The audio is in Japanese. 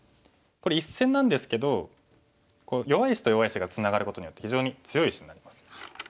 これ１線なんですけど弱い石と弱い石がツナがることによって非常に強い石になります。